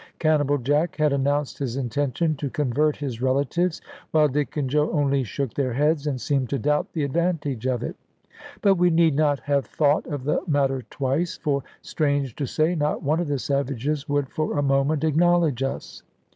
Cannibal Jack had announced his intention to convert his relatives, while Dick and Joe only shook their heads, and seemed to doubt the advantage of it. But we need not have thought of the matter twice, for, strange to say, not one of the savages would for a moment acknowledge us.